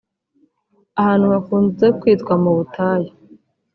ahantu hakunze kwitwa mu butayu